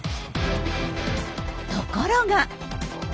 ところが！